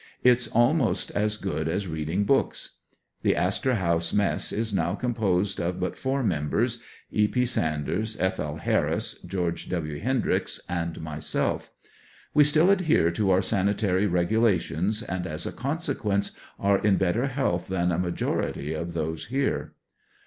Its almost as good as reading books. The Astor House Mess is now composed of but four members, E. P. Sanders, F. L. Lewis, Geo. W. Hen dryx and myself; we still adhere to our sanitary regulations and as a consequence are in better health than a majority of those here.